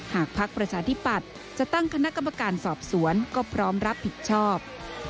พักประชาธิปัตย์จะตั้งคณะกรรมการสอบสวนก็พร้อมรับผิดชอบ